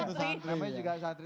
namanya juga santri